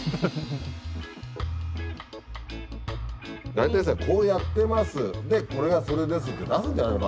大体さ「こうやってます。これがそれです」って出すんじゃないの？